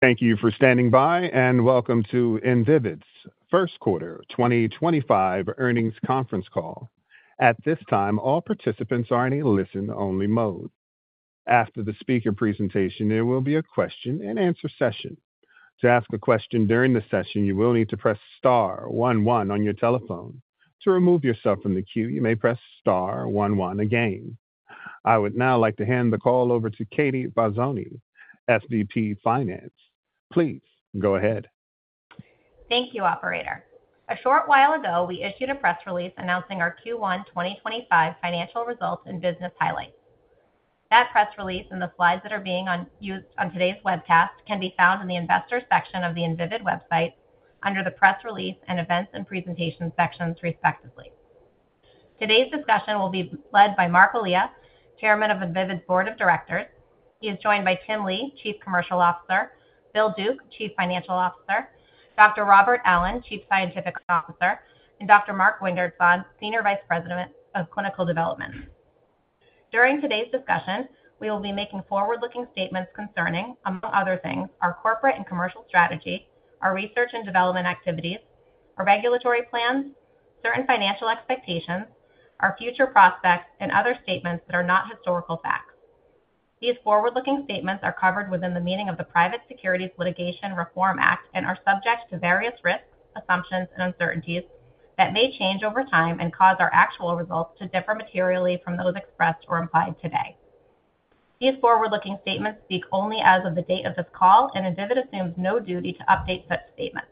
Thank you for standing by, and welcome to Invivyd's First Quarter 2025 Earnings Conference Call. At this time, all participants are in a listen-only mode. After the speaker presentation, there will be a question-and-answer session. To ask a question during the session, you will need to press star one one on your telephone. To remove yourself from the queue, you may press star one one again. I would now like to hand the call over to Katie Falzone, SVP Finance. Please go ahead. Thank you, Operator. A short while ago, we issued a press release announcing our Q1 2025 financial results and business highlights. That press release and the slides that are being used on today's webcast can be found in the Investor section of the Invivyd website under the Press Release and Events and Presentations sections, respectively. Today's discussion will be led by Marc Elia, Chairman of Invivyd's Board of Directors. He is joined by Tim Lee, Chief Commercial Officer; Bill Duke, Chief Financial Officer; Dr. Robert Allen, Chief Scientific Officer; and Dr. Mark Wingertzahn, Senior Vice President of Clinical Development. During today's discussion, we will be making forward-looking statements concerning, among other things, our corporate and commercial strategy, our research and development activities, our regulatory plans, certain financial expectations, our future prospects, and other statements that are not historical facts. These forward-looking statements are covered within the meaning of the Private Securities Litigation Reform Act and are subject to various risks, assumptions, and uncertainties that may change over time and cause our actual results to differ materially from those expressed or implied today. These forward-looking statements speak only as of the date of this call, and Invivyd assumes no duty to update such statements.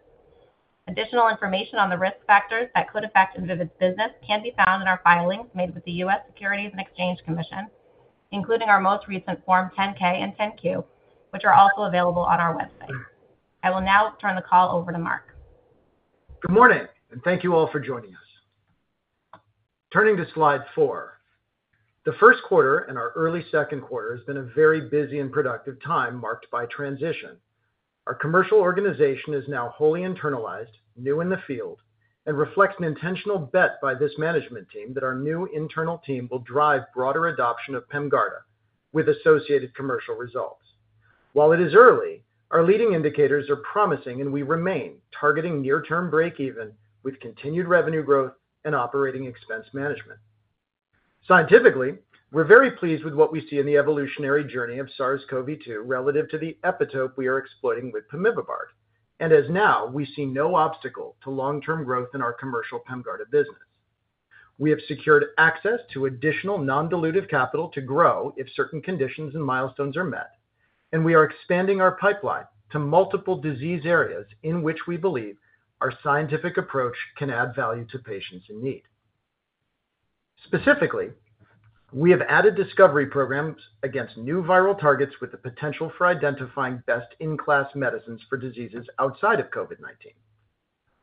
Additional information on the risk factors that could affect Invivyd's business can be found in our filings made with the U.S. Securities and Exchange Commission, including our most recent Form 10-K and 10-Q, which are also available on our website. I will now turn the call over to Marc. Good morning, and thank you all for joining us. Turning to slide four, the first quarter and our early second quarter has been a very busy and productive time marked by transition. Our commercial organization is now wholly internalized, new in the field, and reflects an intentional bet by this management team that our new internal team will drive broader adoption of PEMGARDA with associated commercial results. While it is early, our leading indicators are promising, and we remain targeting near-term break-even with continued revenue growth and operating expense management. Scientifically, we're very pleased with what we see in the evolutionary journey of SARS-CoV-2 relative to the epitope we are exploiting with pemivibart, and as now we see no obstacle to long-term growth in our commercial PEMGARDA business. We have secured access to additional non-dilutive capital to grow if certain conditions and milestones are met, and we are expanding our pipeline to multiple disease areas in which we believe our scientific approach can add value to patients in need. Specifically, we have added discovery programs against new viral targets with the potential for identifying best-in-class medicines for diseases outside of COVID-19.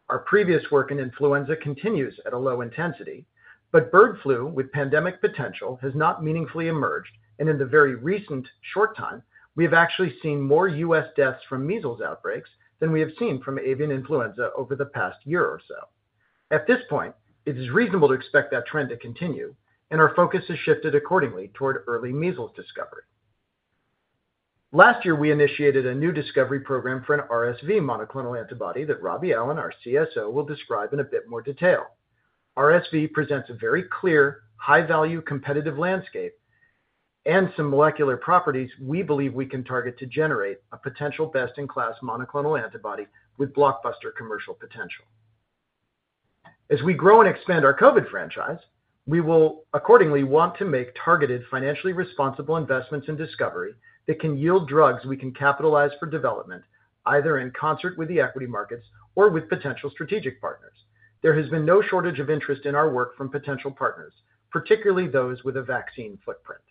Our previous work in influenza continues at a low intensity, but bird flu with pandemic potential has not meaningfully emerged, and in the very recent short time, we have actually seen more U.S. deaths from measles outbreaks than we have seen from avian influenza over the past year or so. At this point, it is reasonable to expect that trend to continue, and our focus has shifted accordingly toward early measles discovery. Last year, we initiated a new discovery program for an RSV monoclonal antibody that Robbie Allen, our CSO, will describe in a bit more detail. RSV presents a very clear, high-value, competitive landscape and some molecular properties we believe we can target to generate a potential best-in-class monoclonal antibody with blockbuster commercial potential. As we grow and expand our COVID franchise, we will accordingly want to make targeted, financially responsible investments in discovery that can yield drugs we can capitalize for development either in concert with the equity markets or with potential strategic partners. There has been no shortage of interest in our work from potential partners, particularly those with a vaccine footprint.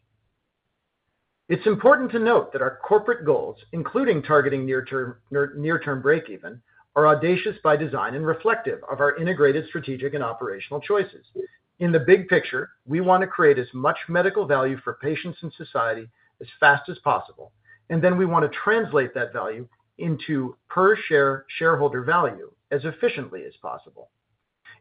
It's important to note that our corporate goals, including targeting near-term break-even, are audacious by design and reflective of our integrated strategic and operational choices. In the big picture, we want to create as much medical value for patients and society as fast as possible, and then we want to translate that value into per-share shareholder value as efficiently as possible.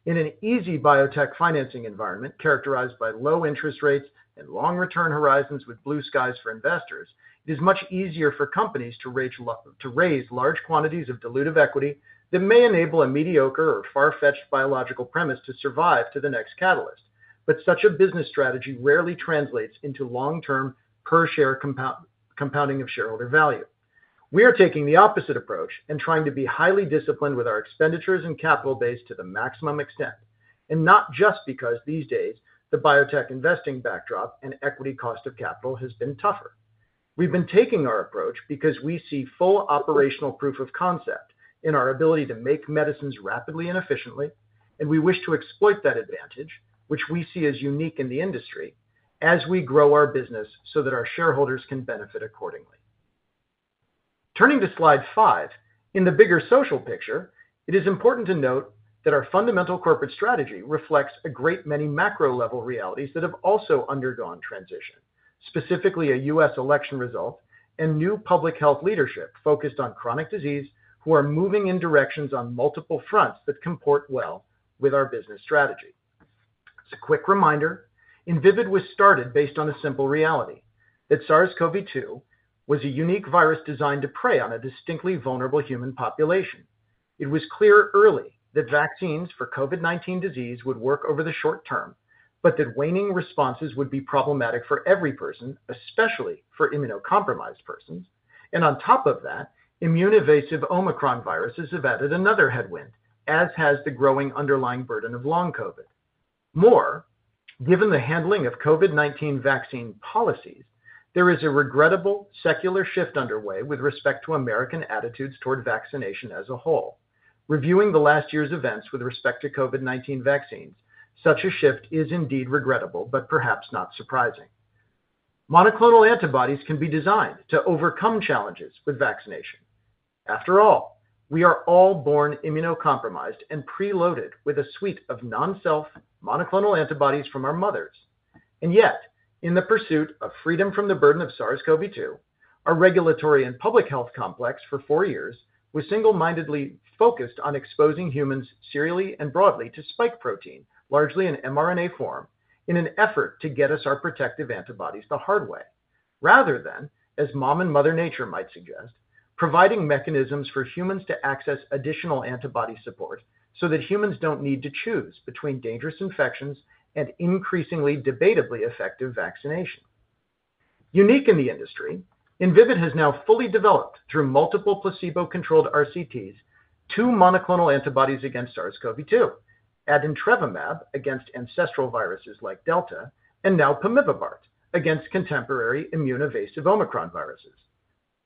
In an easy biotech financing environment characterized by low interest rates and long-return horizons with blue skies for investors, it is much easier for companies to raise large quantities of dilutive equity that may enable a mediocre or far-fetched biological premise to survive to the next catalyst, but such a business strategy rarely translates into long-term per-share compounding of shareholder value. We are taking the opposite approach and trying to be highly disciplined with our expenditures and capital base to the maximum extent, and not just because these days the biotech investing backdrop and equity cost of capital has been tougher. We've been taking our approach because we see full operational proof of concept in our ability to make medicines rapidly and efficiently, and we wish to exploit that advantage, which we see as unique in the industry, as we grow our business so that our shareholders can benefit accordingly. Turning to slide five, in the bigger social picture, it is important to note that our fundamental corporate strategy reflects a great many macro-level realities that have also undergone transition, specifically a U.S. election result and new public health leadership focused on chronic disease who are moving in directions on multiple fronts that comport well with our business strategy. As a quick reminder, Invivyd was started based on a simple reality: that SARS-CoV-2 was a unique virus designed to prey on a distinctly vulnerable human population. It was clear early that vaccines for COVID-19 disease would work over the short term, but that waning responses would be problematic for every person, especially for immunocompromised persons, and on top of that, immune-evasive Omicron viruses have added another headwind, as has the growing underlying burden of long COVID. More, given the handling of COVID-19 vaccine policies, there is a regrettable secular shift underway with respect to American attitudes toward vaccination as a whole. Reviewing the last year's events with respect to COVID-19 vaccines, such a shift is indeed regrettable, but perhaps not surprising. Monoclonal antibodies can be designed to overcome challenges with vaccination. After all, we are all born immunocompromised and preloaded with a suite of non-self monoclonal antibodies from our mothers. Yet, in the pursuit of freedom from the burden of SARS-CoV-2, our regulatory and public health complex for four years was single-mindedly focused on exposing humans serially and broadly to spike protein, largely in mRNA form, in an effort to get us our protective antibodies the hard way, rather than, as Mom and Mother Nature might suggest, providing mechanisms for humans to access additional antibody support so that humans do not need to choose between dangerous infections and increasingly debatably effective vaccination. Unique in the industry, Invivyd has now fully developed, through multiple placebo-controlled RCTs, two monoclonal antibodies against SARS-CoV-2, adintrevimab against ancestral viruses like Delta, and now pemivibart against contemporary immune-evasive Omicron viruses.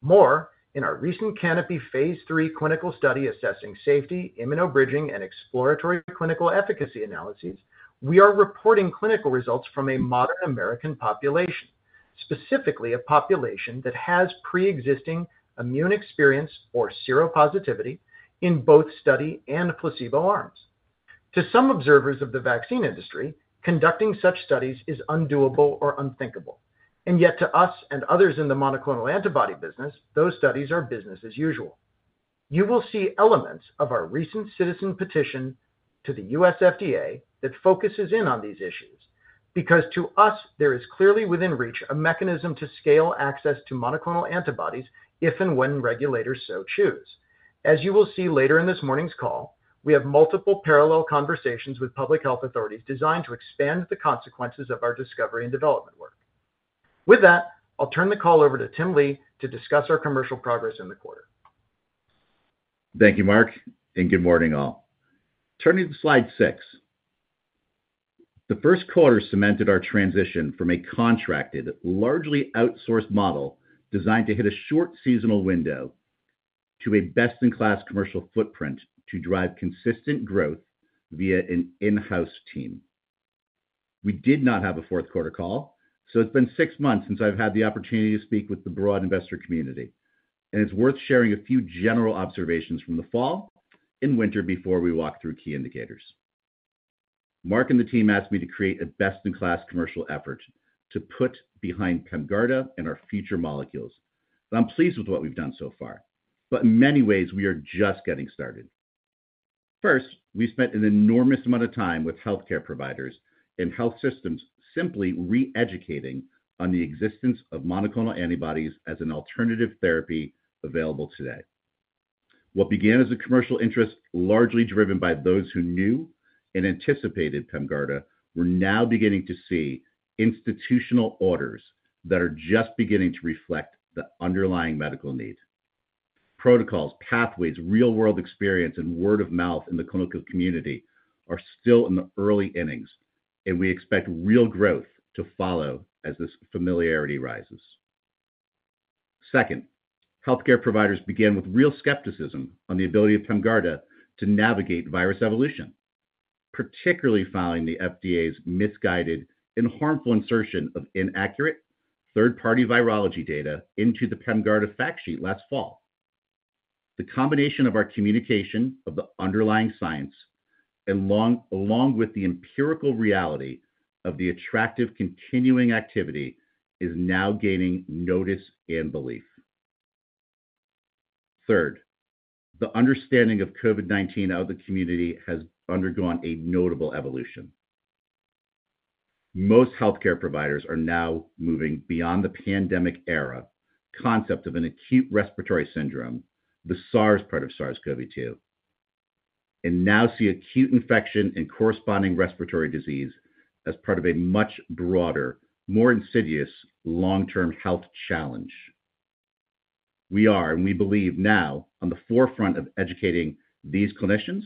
More, in our recent CANOPY phase three clinical study assessing safety, immunobridging, and exploratory clinical efficacy analyses, we are reporting clinical results from a modern American population, specifically a population that has pre-existing immune experience or seropositivity in both study and placebo arms. To some observers of the vaccine industry, conducting such studies is undoable or unthinkable, and yet to us and others in the monoclonal antibody business, those studies are business as usual. You will see elements of our recent citizen petition to the U.S. FDA that focuses in on these issues because to us, there is clearly within reach a mechanism to scale access to monoclonal antibodies if and when regulators so choose. As you will see later in this morning's call, we have multiple parallel conversations with public health authorities designed to expand the consequences of our discovery and development work. With that, I'll turn the call over to Tim Lee to discuss our commercial progress in the quarter. Thank you, Marc, and good morning all. Turning to slide six, the first quarter cemented our transition from a contracted, largely outsourced model designed to hit a short seasonal window to a best-in-class commercial footprint to drive consistent growth via an in-house team. We did not have a fourth quarter call, so it has been six months since I have had the opportunity to speak with the broad investor community, and it is worth sharing a few general observations from the fall and winter before we walk through key indicators. Marc and the team asked me to create a best-in-class commercial effort to put behind PEMGARDA and our future molecules, and I am pleased with what we have done so far, but in many ways, we are just getting started. First, we spent an enormous amount of time with healthcare providers and health systems simply re-educating on the existence of monoclonal antibodies as an alternative therapy available today. What began as a commercial interest largely driven by those who knew and anticipated PEMGARDA were now beginning to see institutional orders that are just beginning to reflect the underlying medical need. Protocols, pathways, real-world experience, and word of mouth in the clinical community are still in the early innings, and we expect real growth to follow as this familiarity rises. Second, healthcare providers began with real skepticism on the ability of PEMGARDA to navigate virus evolution, particularly following the FDA's misguided and harmful insertion of inaccurate third-party virology data into the PEMGARDA fact sheet last fall. The combination of our communication of the underlying science along with the empirical reality of the attractive continuing activity is now gaining notice and belief. Third, the understanding of COVID-19 out of the community has undergone a notable evolution. Most healthcare providers are now moving beyond the pandemic era concept of an acute respiratory syndrome, the SARS part of SARS-CoV-2, and now see acute infection and corresponding respiratory disease as part of a much broader, more insidious long-term health challenge. We are, and we believe now, on the forefront of educating these clinicians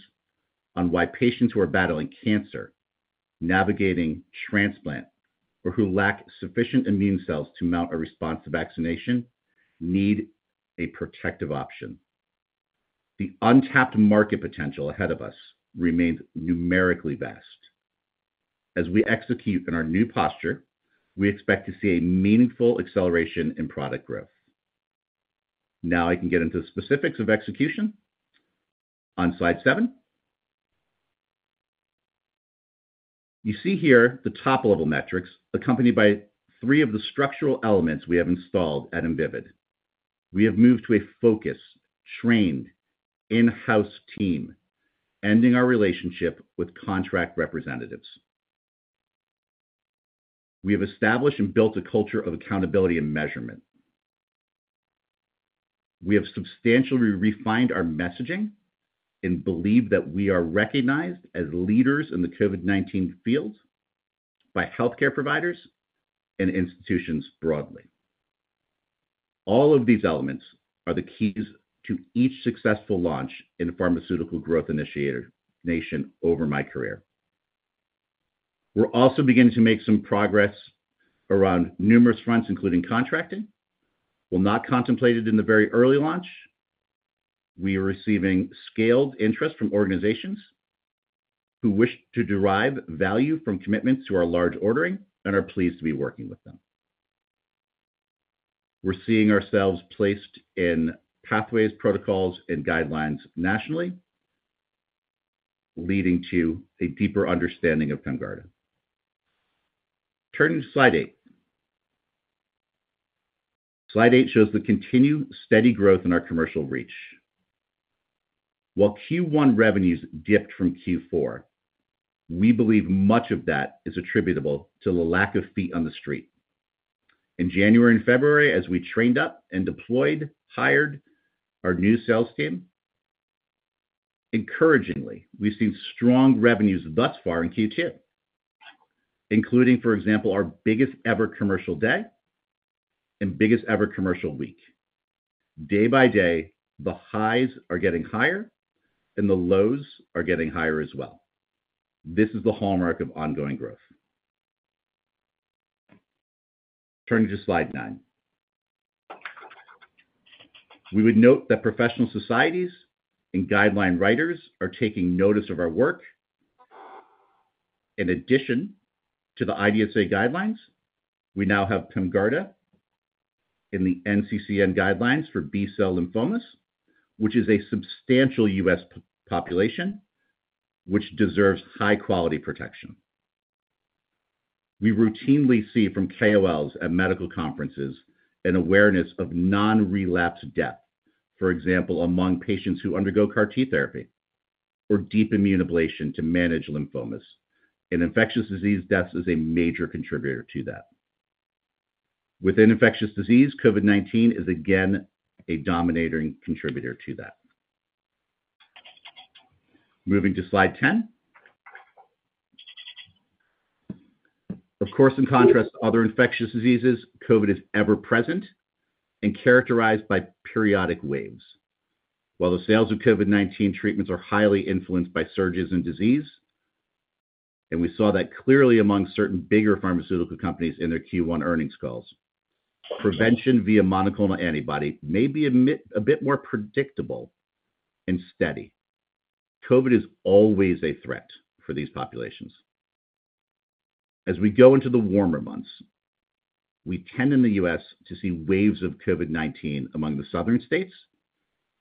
on why patients who are battling cancer, navigating transplant, or who lack sufficient immune cells to mount a response to vaccination need a protective option. The untapped market potential ahead of us remains numerically vast. As we execute in our new posture, we expect to see a meaningful acceleration in product growth. Now I can get into the specifics of execution. On slide seven, you see here the top-level metrics accompanied by three of the structural elements we have installed at Invivyd. We have moved to a focused, trained, in-house team, ending our relationship with contract representatives. We have established and built a culture of accountability and measurement. We have substantially refined our messaging and believe that we are recognized as leaders in the COVID-19 field by healthcare providers and institutions broadly. All of these elements are the keys to each successful launch in pharmaceutical growth initiation over my career. We're also beginning to make some progress around numerous fronts, including contracting, while not contemplated in the very early launch. We are receiving scaled interest from organizations who wish to derive value from commitments to our large ordering and are pleased to be working with them. We're seeing ourselves placed in pathways, protocols, and guidelines nationally, leading to a deeper understanding of PEMGARDA. Turning to slide eight, slide eight shows the continued steady growth in our commercial reach. While Q1 revenues dipped from Q4, we believe much of that is attributable to the lack of feet on the street. In January and February, as we trained up and deployed, hired our new sales team, encouragingly, we've seen strong revenues thus far in Q2, including, for example, our biggest ever commercial day and biggest ever commercial week. Day by day, the highs are getting higher and the lows are getting higher as well. This is the hallmark of ongoing growth. Turning to slide nine, we would note that professional societies and guideline writers are taking notice of our work. In addition to the IDSA guidelines, we now have PEMGARDA in the NCCN guidelines for B-cell lymphomas, which is a substantial U.S. population that deserves high-quality protection. We routinely see from KOLs at medical conferences an awareness of non-relapse death, for example, among patients who undergo CAR-T therapy or deep immune ablation to manage lymphomas, and infectious disease deaths is a major contributor to that. Within infectious disease, COVID-19 is again a dominating contributor to that. Moving to slide 10, of course, in contrast to other infectious diseases, COVID is ever-present and characterized by periodic waves. While the sales of COVID-19 treatments are highly influenced by surges in disease, and we saw that clearly among certain bigger pharmaceutical companies in their Q1 earnings calls, prevention via monoclonal antibody may be a bit more predictable and steady. COVID is always a threat for these populations. As we go into the warmer months, we tend in the U.S. to see waves of COVID-19 among the southern states.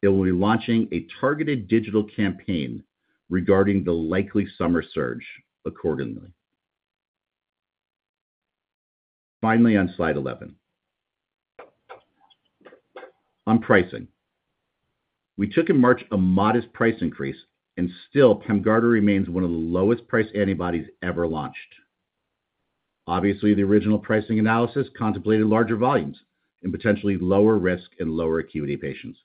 They will be launching a targeted digital campaign regarding the likely summer surge accordingly. Finally, on slide 11, on pricing, we took in March a modest price increase, and still, PEMGARDA remains one of the lowest-priced antibodies ever launched. Obviously, the original pricing analysis contemplated larger volumes and potentially lower risk and lower acuity patients,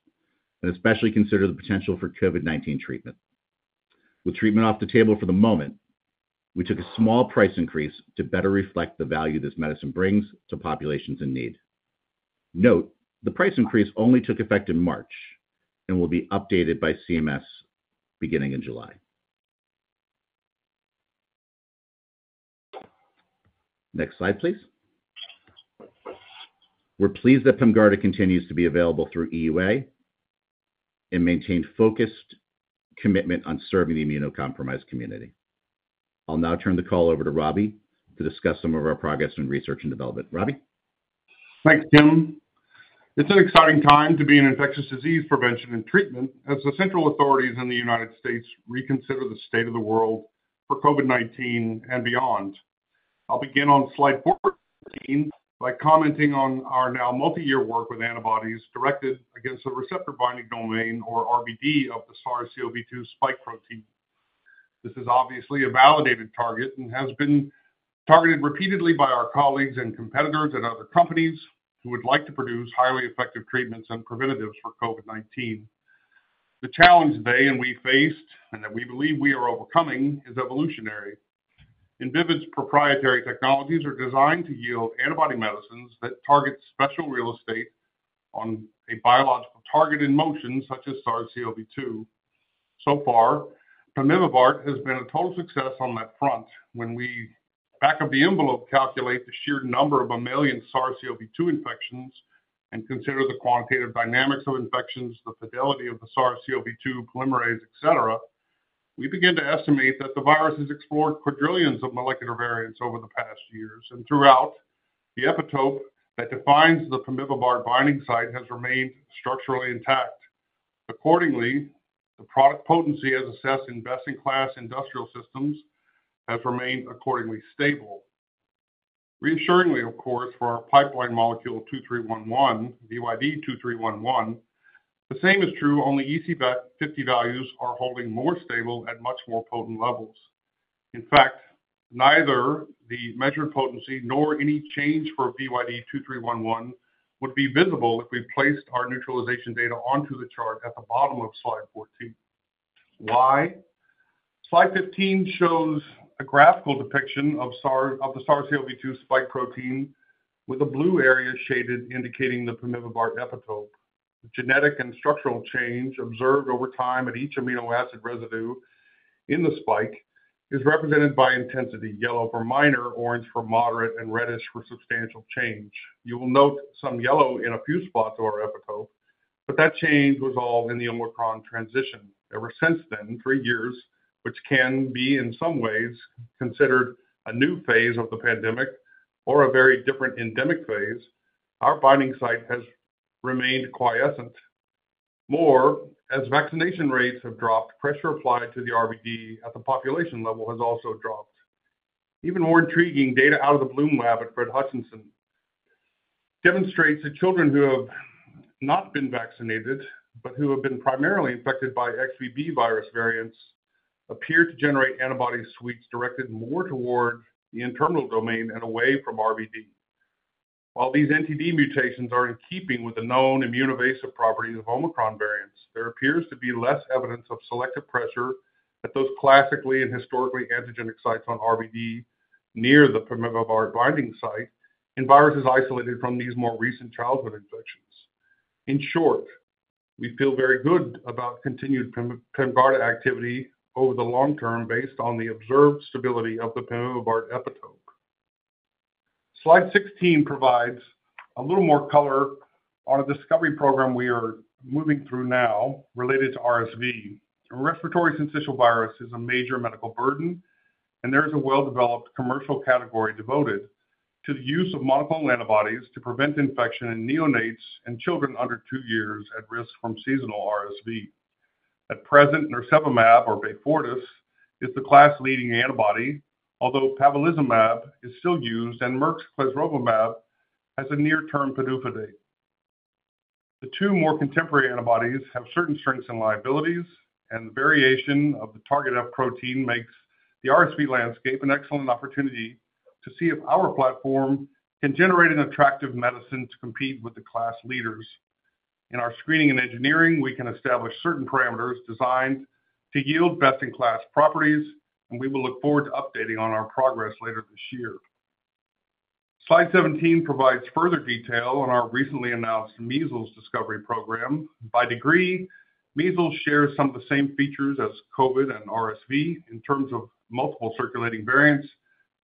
and especially considered the potential for COVID-19 treatment. With treatment off the table for the moment, we took a small price increase to better reflect the value this medicine brings to populations in need. Note, the price increase only took effect in March and will be updated by CMS beginning in July. Next slide, please. We're pleased that PEMGARDA continues to be available through EUA and maintained focused commitment on serving the immunocompromised community. I'll now turn the call over to Robbie to discuss some of our progress in research and development. Robbie. Thanks, Tim. It's an exciting time to be in infectious disease prevention and treatment as the central authorities in the U.S. reconsider the state of the world for COVID-19 and beyond. I'll begin on slide 14 by commenting on our now multi-year work with antibodies directed against the receptor binding domain, or RBD, of the SARS-CoV-2 spike protein. This is obviously a validated target and has been targeted repeatedly by our colleagues and competitors at other companies who would like to produce highly effective treatments and preventatives for COVID-19. The challenge they and we faced, and that we believe we are overcoming, is evolutionary. Invivyd's proprietary technologies are designed to yield antibody medicines that target special real estate on a biological target in motion, such as SARS-CoV-2. So far, pemivibart has been a total success on that front. When we back of the envelope calculate the sheer number of a million SARS-CoV-2 infections and consider the quantitative dynamics of infections, the fidelity of the SARS-CoV-2 polymerase, etc., we begin to estimate that the virus has explored quadrillions of molecular variants over the past years, and throughout the epitope that defines the pemivibart binding site has remained structurally intact. Accordingly, the product potency as assessed in best-in-class industrial systems has remained accordingly stable. Reassuringly, of course, for our pipeline molecule 2311, VYD2311, the same is true; only EC50 values are holding more stable at much more potent levels. In fact, neither the measured potency nor any change for VYD2311 would be visible if we placed our neutralization data onto the chart at the bottom of slide 14. Why? Slide 15 shows a graphical depiction of the SARS-CoV-2 spike protein with a blue area shaded indicating the pemivibart epitope. Genetic and structural change observed over time at each amino acid residue in the spike is represented by intensity: yellow for minor, orange for moderate, and reddish for substantial change. You will note some yellow in a few spots of our epitope, but that change was all in the Omicron transition. Ever since then, three years, which can be in some ways considered a new phase of the pandemic or a very different endemic phase, our binding site has remained quiescent. More, as vaccination rates have dropped, pressure applied to the RBD at the population level has also dropped. Even more intriguing data out of the Bloom Lab at Fred Hutchinson demonstrates that children who have not been vaccinated but who have been primarily infected by XBB virus variants appear to generate antibody suites directed more toward the internal domain and away from RBD. While these NTD mutations are in keeping with the known immunovascular properties of Omicron variants, there appears to be less evidence of selective pressure at those classically and historically antigenic sites on RBD near the pemivibart binding site in viruses isolated from these more recent childhood infections. In short, we feel very good about continued PEMGARDA activity over the long term based on the observed stability of the pemivibart epitope. Slide 16 provides a little more color on a discovery program we are moving through now related to RSV. Respiratory syncytial virus is a major medical burden, and there is a well-developed commercial category devoted to the use of monoclonal antibodies to prevent infection in neonates and children under two years at risk from seasonal RSV. At present, nirsevimab or Beyfortus is the class-leading antibody, although palivizumab is still used and clesrovimab has a near-term pseudoephedrine. The two more contemporary antibodies have certain strengths and liabilities, and the variation of the target F protein makes the RSV landscape an excellent opportunity to see if our platform can generate an attractive medicine to compete with the class leaders. In our screening and engineering, we can establish certain parameters designed to yield best-in-class properties, and we will look forward to updating on our progress later this year. Slide 17 provides further detail on our recently announced measles discovery program. By degree, measles shares some of the same features as COVID and RSV in terms of multiple circulating variants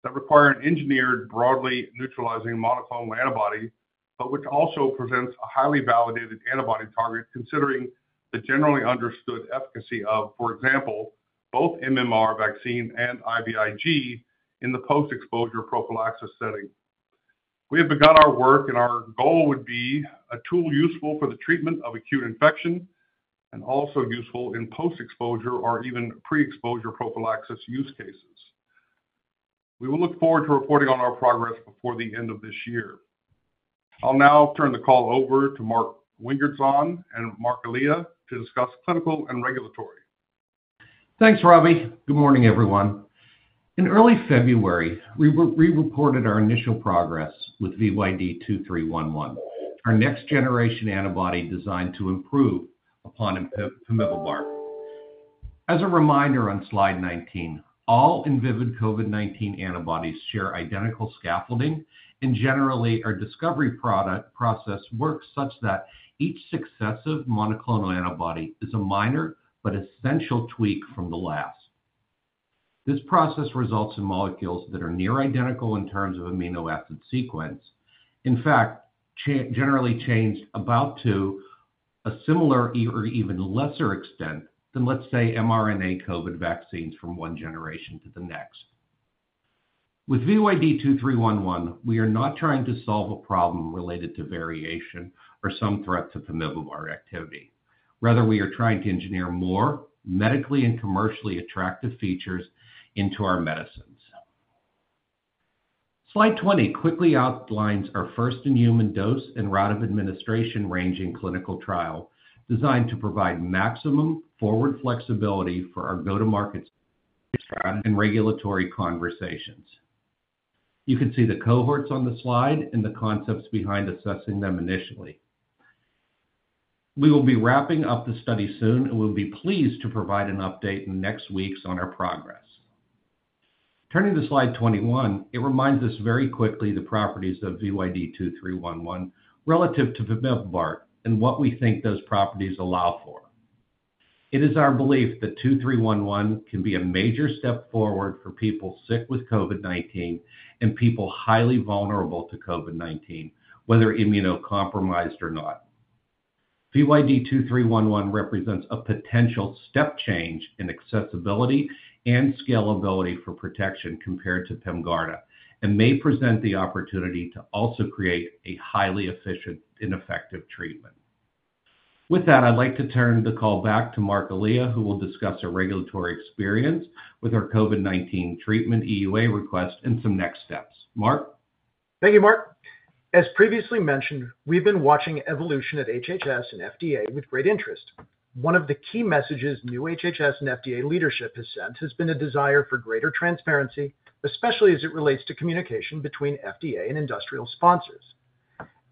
that require an engineered broadly neutralizing monoclonal antibody, but which also presents a highly validated antibody target considering the generally understood efficacy of, for example, both MMR vaccine and IVIG in the post-exposure prophylaxis setting. We have begun our work, and our goal would be a tool useful for the treatment of acute infection and also useful in post-exposure or even pre-exposure prophylaxis use cases. We will look forward to reporting on our progress before the end of this year. I'll now turn the call over to Mark Wingertzahn and Marc Elia to discuss clinical and regulatory. Thanks, Robbie. Good morning, everyone. In early February, we reported our initial progress with VYD2311, our next-generation antibody designed to improve upon pemivibart. As a reminder on slide 19, all Invivyd COVID-19 antibodies share identical scaffolding, and generally, our discovery process works such that each successive monoclonal antibody is a minor but essential tweak from the last. This process results in molecules that are near identical in terms of amino acid sequence, in fact, generally changed about to a similar or even lesser extent than, let's say, mRNA COVID vaccines from one generation to the next. With VYD2311, we are not trying to solve a problem related to variation or some threat to pemivibart activity. Rather, we are trying to engineer more medically and commercially attractive features into our medicines. Slide 20 quickly outlines our first in-human dose and route of administration ranging clinical trial designed to provide maximum forward flexibility for our go-to-market strategy and regulatory conversations. You can see the cohorts on the slide and the concepts behind assessing them initially. We will be wrapping up the study soon, and we'll be pleased to provide an update in the next weeks on our progress. Turning to slide 21, it reminds us very quickly of the properties of VYD2311 relative to pemivibart and what we think those properties allow for. It is our belief that 2311 can be a major step forward for people sick with COVID-19 and people highly vulnerable to COVID-19, whether immunocompromised or not. VYD2311 represents a potential step change in accessibility and scalability for protection compared to PEMGARDA and may present the opportunity to also create a highly efficient and effective treatment. With that, I'd like to turn the call back to Marc Elia, who will discuss our regulatory experience with our COVID-19 treatment EUA request and some next steps. Marc. Thank you, Mark. As previously mentioned, we've been watching evolution at HHS and FDA with great interest. One of the key messages new HHS and FDA leadership has sent has been a desire for greater transparency, especially as it relates to communication between FDA and industrial sponsors.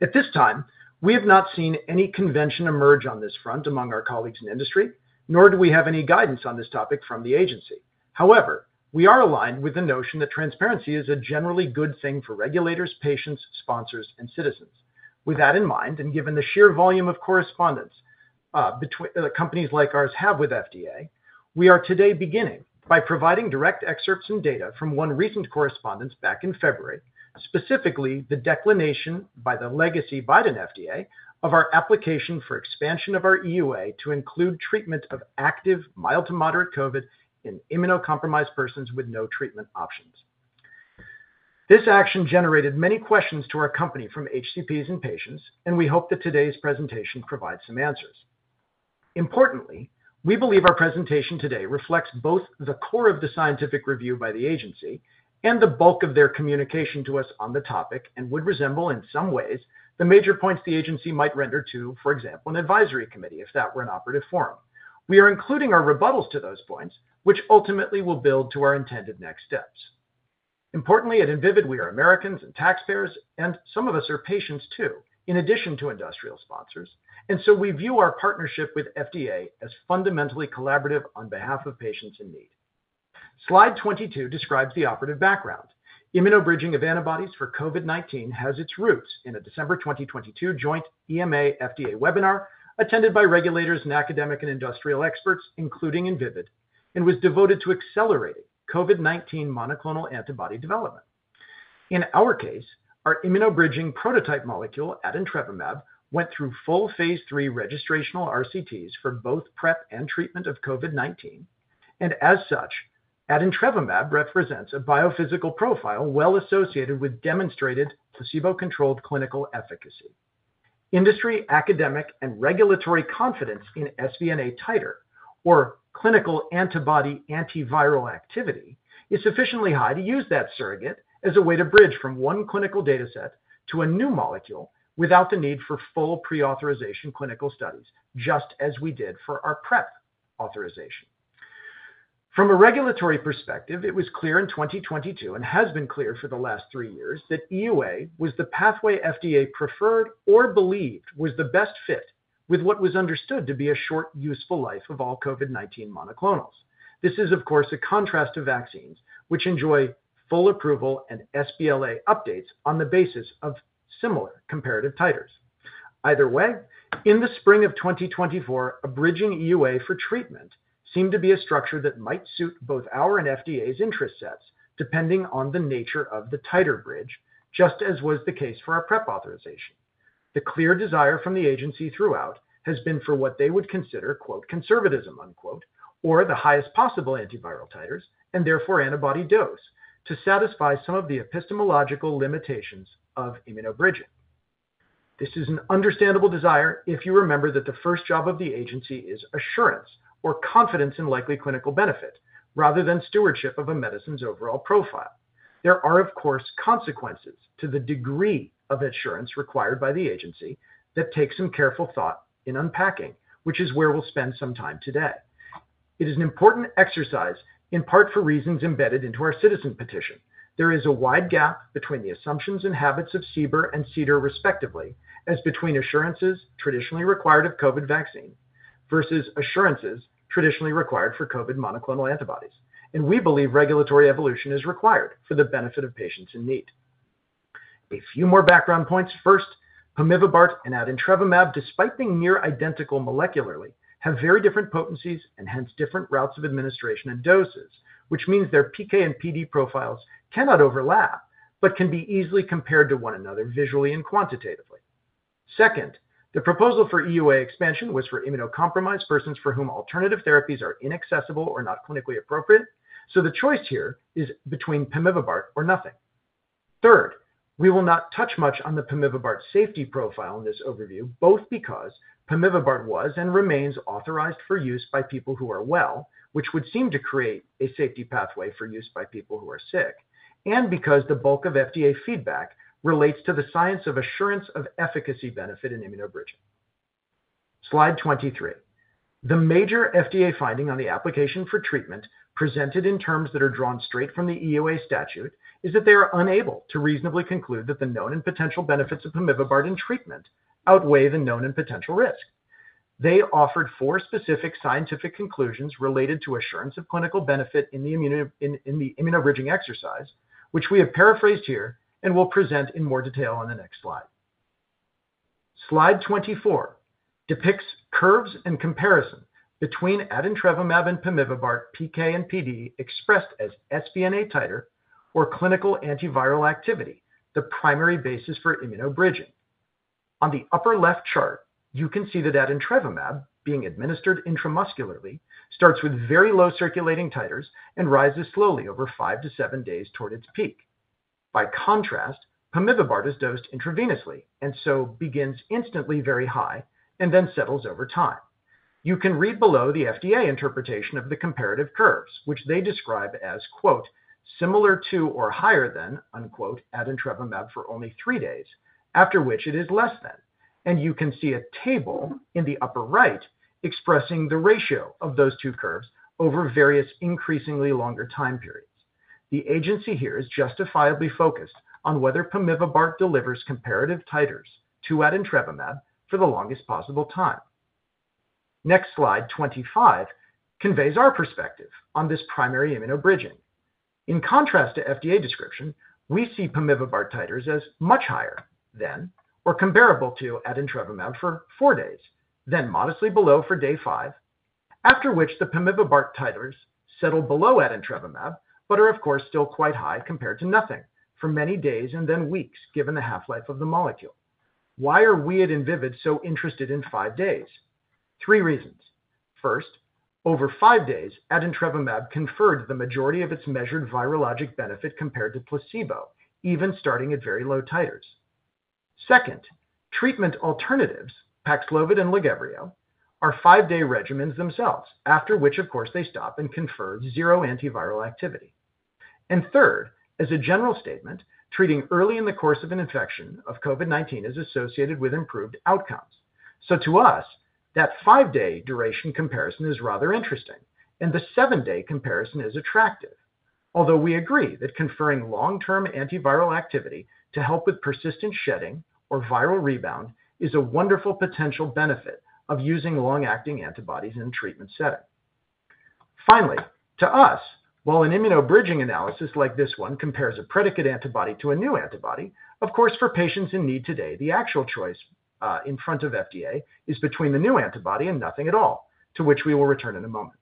At this time, we have not seen any convention emerge on this front among our colleagues in industry, nor do we have any guidance on this topic from the agency. However, we are aligned with the notion that transparency is a generally good thing for regulators, patients, sponsors, and citizens. With that in mind, and given the sheer volume of correspondence companies like ours have with FDA, we are today beginning by providing direct excerpts and data from one recent correspondence back in February, specifically the declination by the legacy Biden FDA of our application for expansion of our EUA to include treatment of active mild to moderate COVID in immunocompromised persons with no treatment options. This action generated many questions to our company from HCPs and patients, and we hope that today's presentation provides some answers. Importantly, we believe our presentation today reflects both the core of the scientific review by the agency and the bulk of their communication to us on the topic and would resemble in some ways the major points the agency might render to, for example, an advisory committee if that were an operative forum. We are including our rebuttals to those points, which ultimately will build to our intended next steps. Importantly, at Invivyd, we are Americans and taxpayers, and some of us are patients too, in addition to industrial sponsors, and so we view our partnership with FDA as fundamentally collaborative on behalf of patients in need. Slide 22 describes the operative background. Immunobridging of antibodies for COVID-19 has its roots in a December 2022 joint EMA-FDA webinar attended by regulators and academic and industrial experts, including Invivyd, and was devoted to accelerating COVID-19 monoclonal antibody development. In our case, our immunobridging prototype molecule, adintrevimab, went through full phase three registrational RCTs for both prep and treatment of COVID-19, and as such, adintrevimab represents a biophysical profile well associated with demonstrated placebo-controlled clinical efficacy. Industry, academic, and regulatory confidence in SVNA titer, or clinical antibody antiviral activity, is sufficiently high to use that surrogate as a way to bridge from one clinical dataset to a new molecule without the need for full pre-authorization clinical studies, just as we did for our prep authorization. From a regulatory perspective, it was clear in 2022 and has been clear for the last three years that EUA was the pathway FDA preferred or believed was the best fit with what was understood to be a short useful life of all COVID-19 monoclonals. This is, of course, a contrast to vaccines which enjoy full approval and SBLA updates on the basis of similar comparative titers. Either way, in the spring of 2024, a bridging EUA for treatment seemed to be a structure that might suit both our and FDA's interest sets, depending on the nature of the titer bridge, just as was the case for our prep authorization. The clear desire from the agency throughout has been for what they would consider "conservatism" or the highest possible antiviral titers and therefore antibody dose to satisfy some of the epistemological limitations of immunobridging. This is an understandable desire if you remember that the first job of the agency is assurance or confidence in likely clinical benefit rather than stewardship of a medicine's overall profile. There are, of course, consequences to the degree of assurance required by the agency that takes some careful thought in unpacking, which is where we'll spend some time today. It is an important exercise, in part for reasons embedded into our citizen petition. There is a wide gap between the assumptions and habits of SIBR and CDER, respectively, as between assurances traditionally required of COVID vaccine versus assurances traditionally required for COVID monoclonal antibodies. We believe regulatory evolution is required for the benefit of patients in need. A few more background points. First, pemivibart and adintrevimab, despite being near identical molecularly, have very different potencies and hence different routes of administration and doses, which means their PK and PD profiles cannot overlap but can be easily compared to one another visually and quantitatively. Second, the proposal for EUA expansion was for immunocompromised persons for whom alternative therapies are inaccessible or not clinically appropriate, so the choice here is between pemivibart or nothing. Third, we will not touch much on the pemivibart safety profile in this overview, both because pemivibart was and remains authorized for use by people who are well, which would seem to create a safety pathway for use by people who are sick, and because the bulk of FDA feedback relates to the science of assurance of efficacy benefit in immunobridging. Slide 23. The major FDA finding on the application for treatment presented in terms that are drawn straight from the EUA statute is that they are unable to reasonably conclude that the known and potential benefits of pemivibart in treatment outweigh the known and potential risk. They offered four specific scientific conclusions related to assurance of clinical benefit in the immunobridging exercise, which we have paraphrased here and will present in more detail on the next slide. Slide 24 depicts curves and comparison between adintrevimab and pemivibart PK and PD expressed as SVNA titer or clinical antiviral activity, the primary basis for immunobridging. On the upper left chart, you can see that adintrevimab, being administered intramuscularly, starts with very low circulating titers and rises slowly over five to seven days toward its peak. By contrast, pemivibart is dosed intravenously and so begins instantly very high and then settles over time. You can read below the FDA interpretation of the comparative curves, which they describe as "similar to or higher than" adintrevimab for only three days, after which it is less than. You can see a table in the upper right expressing the ratio of those two curves over various increasingly longer time periods. The agency here is justifiably focused on whether pemivibart delivers comparative titers to adintrevimab for the longest possible time. Next slide, 25, conveys our perspective on this primary immunobridging. In contrast to FDA description, we see pemivibart titers as much higher than or comparable to adintrevimab for four days, then modestly below for day five, after which the pemivibart titers settle below adintrevimab but are, of course, still quite high compared to nothing for many days and then weeks, given the half-life of the molecule. Why are we at Invivyd so interested in five days? Three reasons. First, over five days, adintrevimab conferred the majority of its measured virologic benefit compared to placebo, even starting at very low titers. Second, treatment alternatives, Paxlovid and Lagevrio, are five-day regimens themselves, after which, of course, they stop and confer zero antiviral activity. Third, as a general statement, treating early in the course of an infection of COVID-19 is associated with improved outcomes. To us, that five-day duration comparison is rather interesting, and the seven-day comparison is attractive, although we agree that conferring long-term antiviral activity to help with persistent shedding or viral rebound is a wonderful potential benefit of using long-acting antibodies in a treatment setting. Finally, to us, while an immunobridging analysis like this one compares a predicate antibody to a new antibody, of course, for patients in need today, the actual choice in front of FDA is between the new antibody and nothing at all, to which we will return in a moment.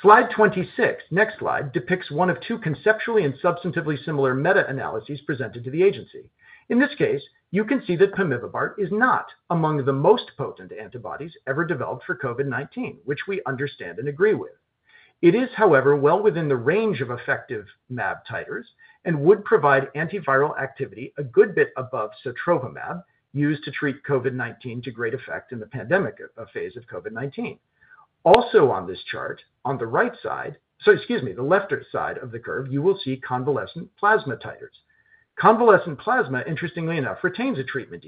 Slide 26, next slide, depicts one of two conceptually and substantively similar meta-analyses presented to the agency. In this case, you can see that pemivibart is not among the most potent antibodies ever developed for COVID-19, which we understand and agree with. It is, however, well within the range of effective MAB titers and would provide antiviral activity a good bit above sotrovimab used to treat COVID-19 to great effect in the pandemic phase of COVID-19. Also on this chart, on the right side, excuse me, the left side of the curve, you will see convalescent plasma titers. Convalescent plasma, interestingly enough, retains a treatment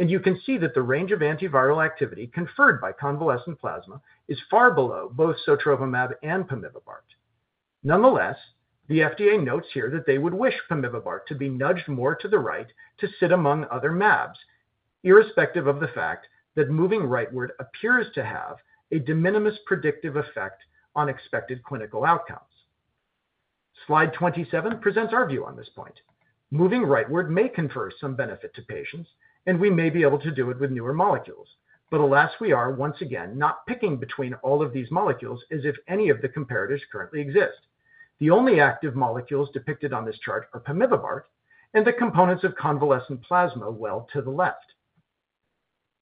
EUA. You can see that the range of antiviral activity conferred by convalescent plasma is far below both sotrovimab and pemivibart. Nonetheless, the FDA notes here that they would wish pemivibart to be nudged more to the right to sit among other MABs, irrespective of the fact that moving rightward appears to have a de minimis predictive effect on expected clinical outcomes. Slide 27 presents our view on this point. Moving rightward may confer some benefit to patients, and we may be able to do it with newer molecules. Alas, we are, once again, not picking between all of these molecules as if any of the comparatives currently exist. The only active molecules depicted on this chart are pemivibart, and the components of convalescent plasma well to the left.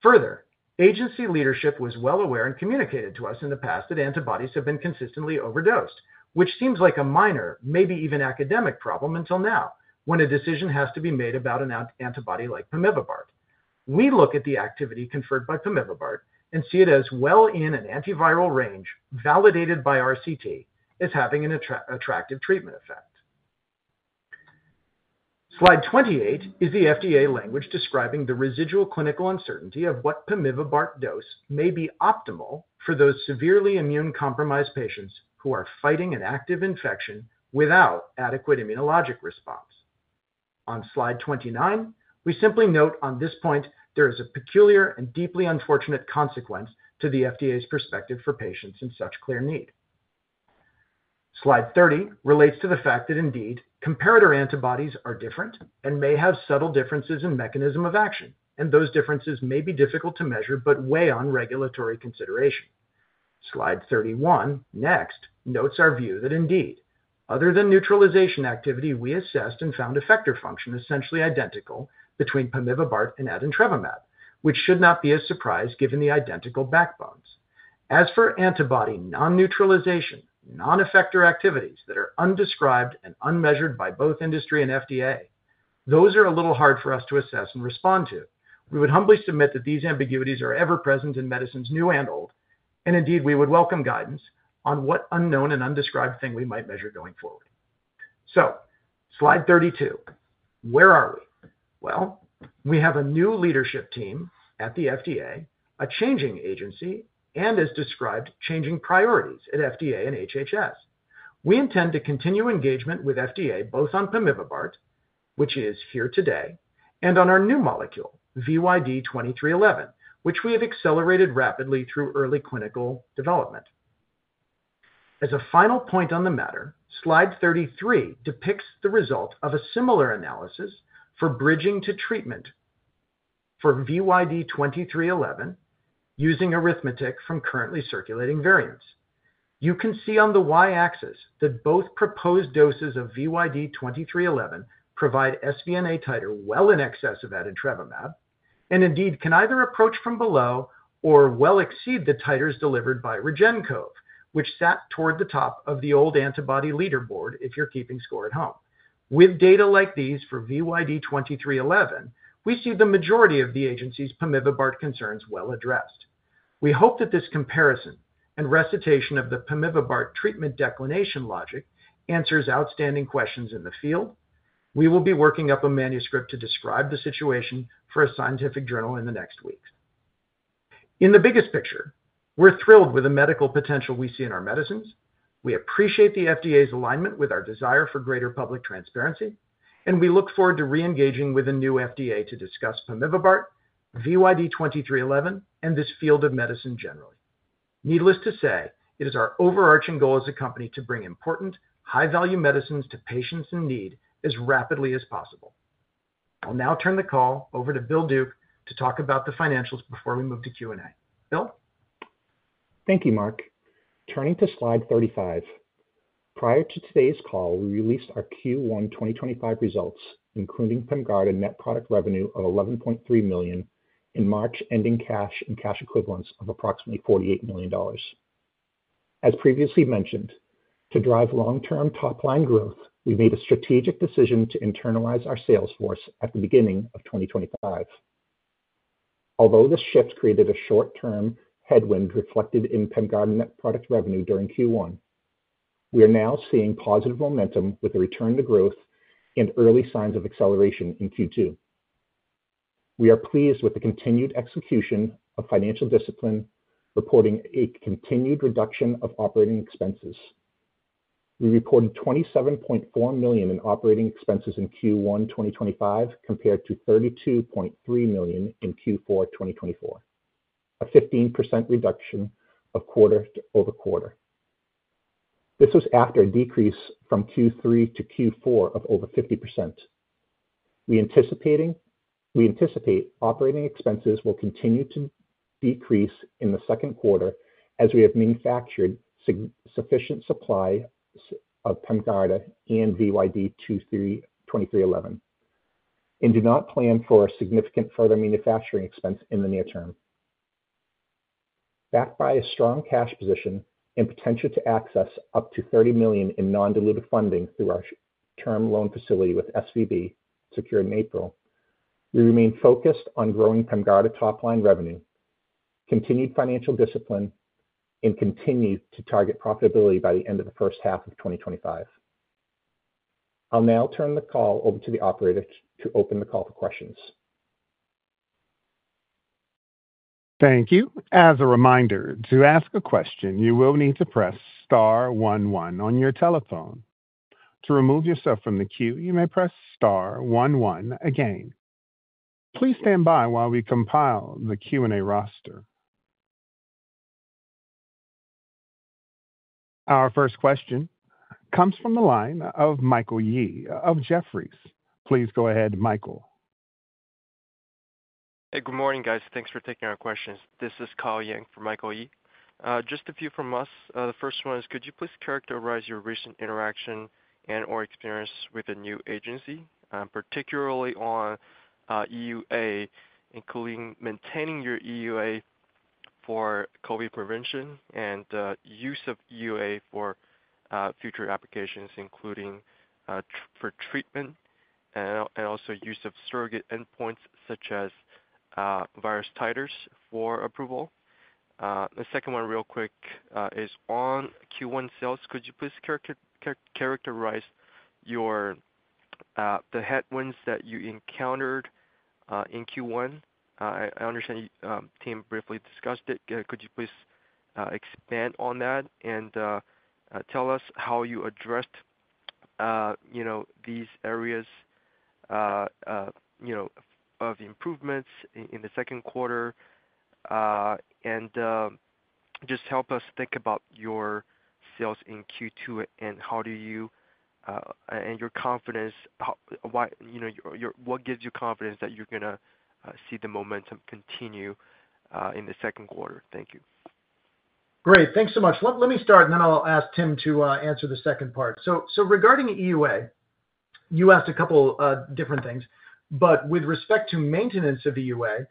Further, agency leadership was well aware and communicated to us in the past that antibodies have been consistently overdosed, which seems like a minor, maybe even academic problem until now when a decision has to be made about an antibody like pemivibart. We look at the activity conferred by pemivibart and see it as well in an antiviral range validated by RCT as having an attractive treatment effect. Slide 28 is the FDA language describing the residual clinical uncertainty of what pemivibart dose may be optimal for those severely immunocompromised patients who are fighting an active infection without adequate immunologic response. On slide 29, we simply note on this point there is a peculiar and deeply unfortunate consequence to the FDA's perspective for patients in such clear need. Slide 30 relates to the fact that indeed comparator antibodies are different and may have subtle differences in mechanism of action, and those differences may be difficult to measure but weigh on regulatory consideration. Slide 31 next notes our view that indeed, other than neutralization activity, we assessed and found effector function essentially identical between pemivibart and adintrevimab, which should not be a surprise given the identical backbones. As for antibody non-neutralization, non-effector activities that are undescribed and unmeasured by both industry and FDA, those are a little hard for us to assess and respond to. We would humbly submit that these ambiguities are ever present in medicines new and old, and indeed we would welcome guidance on what unknown and undescribed thing we might measure going forward. Slide 32, where are we? We have a new leadership team at the FDA, a changing agency, and as described, changing priorities at FDA and HHS. We intend to continue engagement with FDA both on pemivibart, which is here today, and on our new molecule, VYD2311, which we have accelerated rapidly through early clinical development. As a final point on the matter, slide 33 depicts the result of a similar analysis for bridging to treatment for VYD2311 using arithmetic from currently circulating variants. You can see on the y-axis that both proposed doses of VYD2311 provide SVNA titer well in excess of adintrevimab and indeed can either approach from below or well exceed the titers delivered by REGEN-COV, which sat toward the top of the old antibody leaderboard if you're keeping score at home. With data like these for VYD2311, we see the majority of the agency's pemivibart concerns well addressed. We hope that this comparison and recitation of the pemivibart treatment declination logic answers outstanding questions in the field. We will be working up a manuscript to describe the situation for a scientific journal in the next weeks. In the biggest picture, we're thrilled with the medical potential we see in our medicines. We appreciate the FDA's alignment with our desire for greater public transparency, and we look forward to reengaging with a new FDA to discuss pemivibart, VYD2311, and this field of medicine generally. Needless to say, it is our overarching goal as a company to bring important, high-value medicines to patients in need as rapidly as possible. I'll now turn the call over to Bill Duke to talk about the financials before we move to Q&A. Bill? Thank you, Marc. Turning to slide 35. Prior to today's call, we released our Q1 2025 results, including PEMGARDA net product revenue of $11.3 million and March ending cash and cash equivalents of approximately $48 million. As previously mentioned, to drive long-term top-line growth, we made a strategic decision to internalize our sales force at the beginning of 2025. Although this shift created a short-term headwind reflected in PEMGARDA net product revenue during Q1, we are now seeing positive momentum with a return to growth and early signs of acceleration in Q2. We are pleased with the continued execution of financial discipline, reporting a continued reduction of operating expenses. We reported $27.4 million in operating expenses in Q1 2025 compared to $32.3 million in Q4 2024, a 15% reduction quarter over quarter. This was after a decrease from Q3 to Q4 of over 50%. We anticipate operating expenses will continue to decrease in the second quarter as we have manufactured sufficient supply of PEMGARDA and VYD2311 and do not plan for a significant further manufacturing expense in the near term. Backed by a strong cash position and potential to access up to $30 million in non-dilutive funding through our term loan facility with SVB secured in April, we remain focused on growing PEMGARDA top-line revenue, continued financial discipline, and continue to target profitability by the end of the first half of 2025. I'll now turn the call over to the operator to open the call for questions. Thank you. As a reminder, to ask a question, you will need to press star one one on your telephone. To remove yourself from the queue, you may press star one one again. Please stand by while we compile the Q&A roster. Our first question comes from the line of Michael Yee of Jefferies. Please go ahead, Michael. Hey, good morning, guys. Thanks for taking our questions. This is Carl Yang for Michael Yee. Just a few from us. The first one is, could you please characterize your recent interaction and/or experience with a new agency, particularly on EUA, including maintaining your EUA for COVID prevention and use of EUA for future applications, including for treatment and also use of surrogate endpoints such as virus titers for approval? The second one, real quick, is on Q1 sales. Could you please characterize the headwinds that you encountered in Q1? I understand team briefly discussed it. Could you please expand on that and tell us how you addressed these areas of improvements in the second quarter? And just help us think about your sales in Q2 and how do you and your confidence, what gives you confidence that you're going to see the momentum continue in the second quarter? Thank you. Great. Thanks so much. Let me start, and then I'll ask Tim to answer the second part. Regarding EUA, you asked a couple of different things. With respect to maintenance of EUA,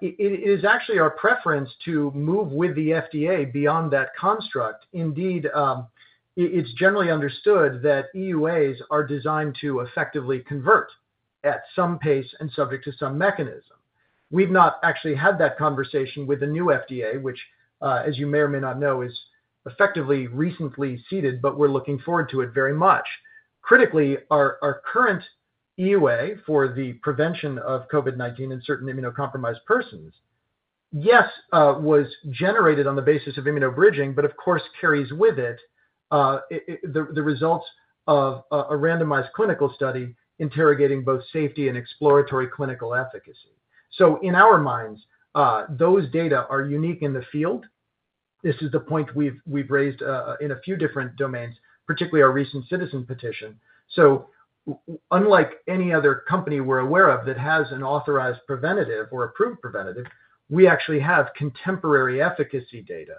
it is actually our preference to move with the FDA beyond that construct. Indeed, it is generally understood that EUAs are designed to effectively convert at some pace and subject to some mechanism. We have not actually had that conversation with the new FDA, which, as you may or may not know, is effectively recently seated, but we are looking forward to it very much. Critically, our current EUA for the prevention of COVID-19 in certain immunocompromised persons, yes, was generated on the basis of immunobridging, but of course, carries with it the results of a randomized clinical study interrogating both safety and exploratory clinical efficacy. In our minds, those data are unique in the field. This is the point we have raised in a few different domains, particularly our recent citizen petition. Unlike any other company we're aware of that has an authorized preventative or approved preventative, we actually have contemporary efficacy data.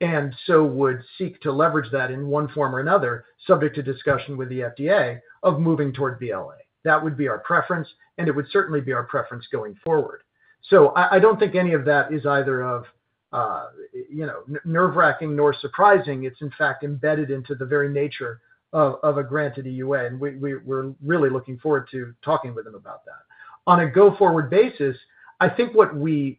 We would seek to leverage that in one form or another, subject to discussion with the FDA, of moving toward BLA. That would be our preference, and it would certainly be our preference going forward. I don't think any of that is either nerve-wracking nor surprising. It is, in fact, embedded into the very nature of a granted EUA, and we're really looking forward to talking with them about that. On a go-forward basis, I think what we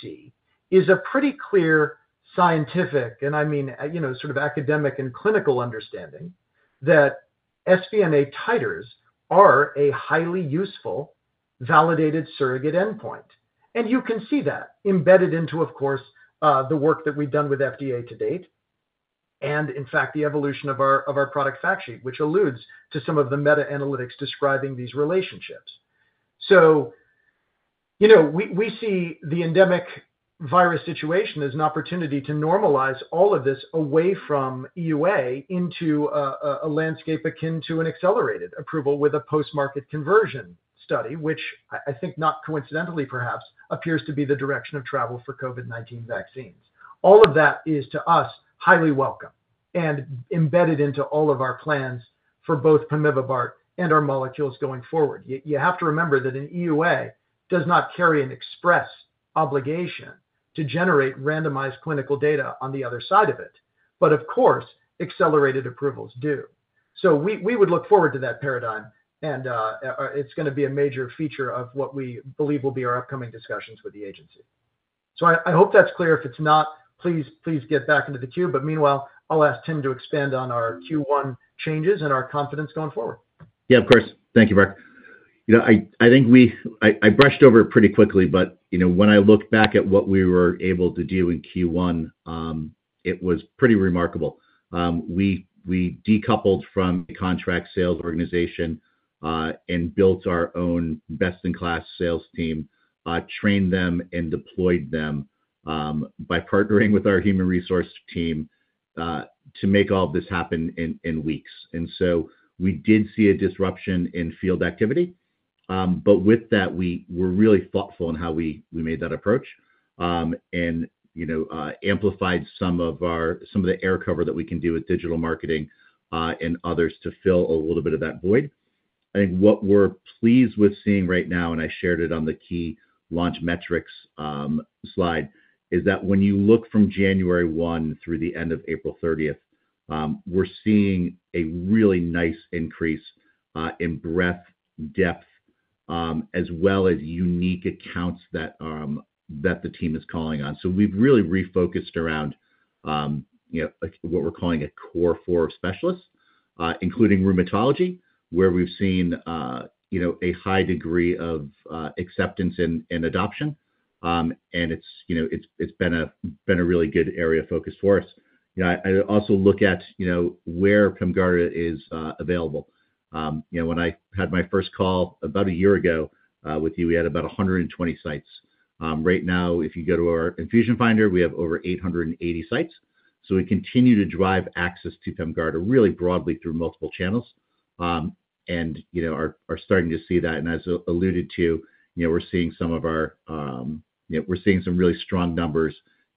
see is a pretty clear scientific, and I mean, sort of academic and clinical understanding that SVNA titers are a highly useful, validated surrogate endpoint. You can see that embedded into, of course, the work that we've done with FDA to date and, in fact, the evolution of our product fact sheet, which alludes to some of the meta-analytics describing these relationships. We see the endemic virus situation as an opportunity to normalize all of this away from EUA into a landscape akin to an accelerated approval with a post-market conversion study, which I think not coincidentally, perhaps, appears to be the direction of travel for COVID-19 vaccines. All of that is, to us, highly welcome and embedded into all of our plans for both pemivibart and our molecules going forward. You have to remember that an EUA does not carry an express obligation to generate randomized clinical data on the other side of it. Of course, accelerated approvals do. We would look forward to that paradigm, and it is going to be a major feature of what we believe will be our upcoming discussions with the agency. I hope that is clear. If it is not, please get back into the queue. Meanwhile, I will ask Tim to expand on our Q1 changes and our confidence going forward. Yeah, of course. Thank you, Marc. I think I brushed over it pretty quickly, but when I look back at what we were able to do in Q1, it was pretty remarkable. We decoupled from the contract sales organization and built our own best-in-class sales team, trained them, and deployed them by partnering with our human resource team to make all of this happen in weeks. We did see a disruption in field activity. With that, we were really thoughtful in how we made that approach and amplified some of the air cover that we can do with digital marketing and others to fill a little bit of that void. I think what we are pleased with seeing right now, and I shared it on the key launch metrics slide, is that when you look from January 1 through the end of April 30, we are seeing a really nice increase in breadth, depth, as well as unique accounts that the team is calling on. We have really refocused around what we are calling a core four specialists, including rheumatology, where we have seen a high degree of acceptance and adoption. It has been a really good area of focus for us. I also look at where PEMGARDA is available. When I had my first call about a year ago with you, we had about 120 sites. Right now, if you go to our infusion finder, we have over 880 sites. We continue to drive access to PEMGARDA really broadly through multiple channels and are starting to see that. As alluded to, we're seeing some really strong numbers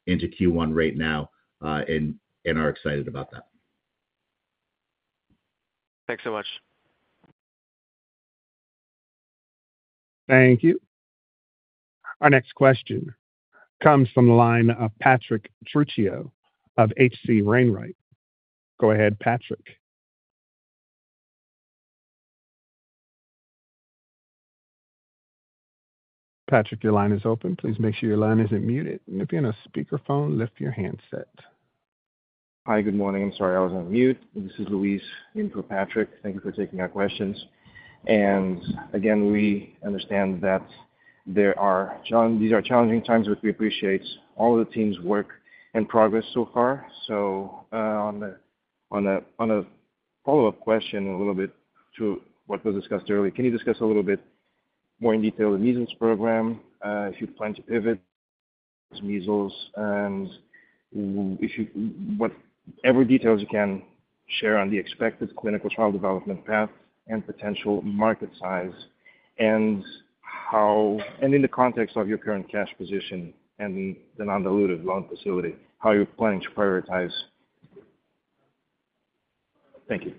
into Q1 right now and are excited about that. Thanks so much. Thank you. Our next question comes from the line of Patrick Trucchio of HC Wainwright. Go ahead, Patrick. Patrick, your line is open. Please make sure your line isn't muted. If you're on a speakerphone, lift your handset. Hi, good morning. I'm sorry I was on mute. This is Luis in for Patrick. Thank you for taking our questions. We understand that these are challenging times, which we appreciate all of the team's work and progress so far. On a follow-up question a little bit to what was discussed earlier, can you discuss a little bit more in detail the measles program, if you plan to pivot measles, and whatever details you can share on the expected clinical trial development path and potential market size and in the context of your current cash position and the non-dilutive loan facility, how you're planning to prioritize? Thank you.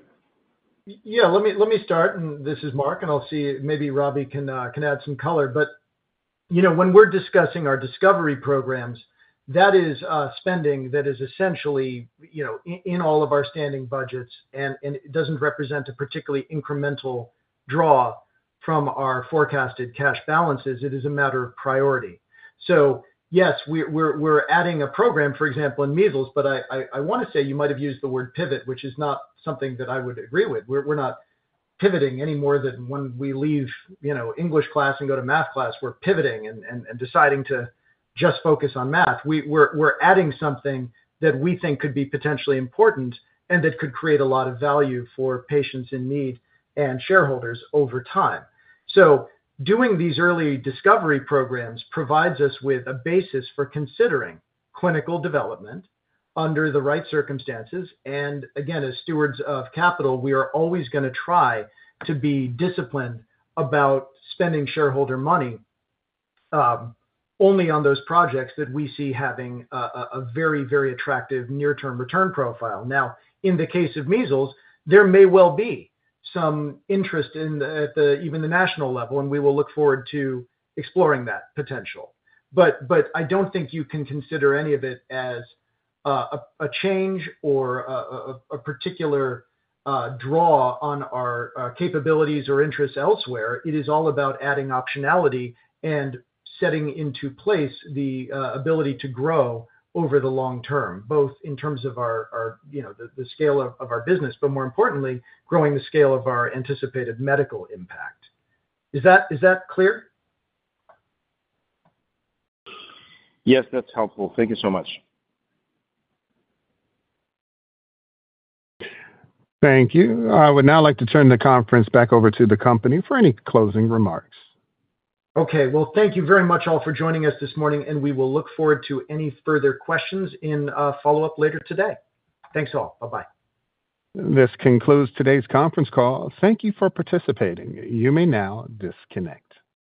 Yeah, let me start, and this is Marc, and I'll see maybe Robbie can add some color. When we're discussing our discovery programs, that is spending that is essentially in all of our standing budgets, and it does not represent a particularly incremental draw from our forecasted cash balances. It is a matter of priority. Yes, we're adding a program, for example, in measles, but I want to say you might have used the word pivot, which is not something that I would agree with. We're not pivoting any more than when we leave English class and go to math class. We're pivoting and deciding to just focus on math. We're adding something that we think could be potentially important and that could create a lot of value for patients in need and shareholders over time. Doing these early discovery programs provides us with a basis for considering clinical development under the right circumstances. Again, as stewards of capital, we are always going to try to be disciplined about spending shareholder money only on those projects that we see having a very, very attractive near-term return profile. Now, in the case of measles, there may well be some interest at even the national level, and we will look forward to exploring that potential. I do not think you can consider any of it as a change or a particular draw on our capabilities or interests elsewhere. It is all about adding optionality and setting into place the ability to grow over the long term, both in terms of the scale of our business, but more importantly, growing the scale of our anticipated medical impact. Is that clear? Yes, that's helpful. Thank you so much. Thank you. I would now like to turn the conference back over to the company for any closing remarks. Thank you very much all for joining us this morning, and we will look forward to any further questions in follow-up later today. Thanks all. Bye-bye. This concludes today's conference call. Thank you for participating. You may now disconnect.